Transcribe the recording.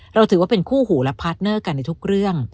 เราถือว่าเป็นคู่หูและพาร์ทเนอร์กันในทุกเรื่อง